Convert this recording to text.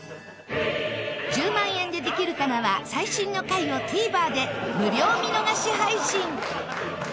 『１０万円でできるかな』は最新の回をＴＶｅｒで無料見逃し配信。